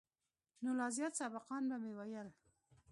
نو لا زيات سبقان به مې ويل.